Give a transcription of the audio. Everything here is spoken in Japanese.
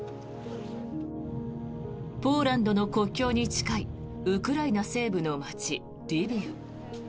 ポーランドの国境に近いウクライナ西部の街、リビウ。